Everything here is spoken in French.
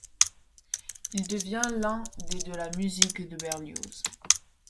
Il devient l'un des de la musique de Berlioz.